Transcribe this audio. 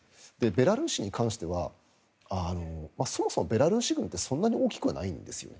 ベラルーシに関してはそもそもベラルーシ軍ってそんなに大きくはないんですよ。